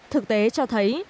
thực tế cho thấy